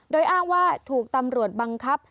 โดยอ้างว่าถูกตำรวจบังคับ